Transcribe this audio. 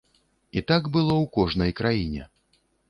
І так было б у кожнай краіне.